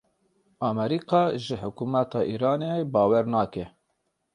Amerîka ji hikûmeta Îranê bawer nake.